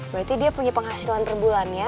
berarti dia punya penghasilan per bulannya